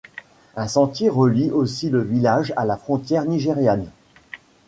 Un sentier relie aussi le village à la frontière nigériane.